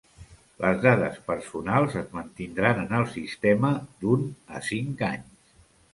Les dades personals es mantindran en el sistema d'un a cinc anys.